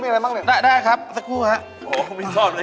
มีอาชีพอะไรบ้างเนี่ย